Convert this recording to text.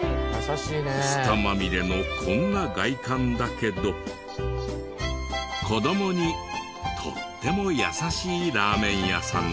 ツタまみれのこんな外観だけど子供にとっても優しいラーメン屋さんだった。